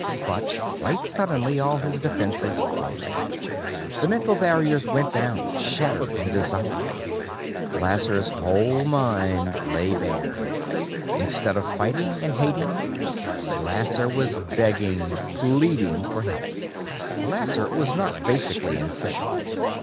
But, quite suddenly, all his defenses crumbled. The mental barriers went down, shattered and dissolving. Lasser's whole mind lay bare. Instead of fighting and hating, Lasser was begging, pleading for help. Lasser was not basically insane.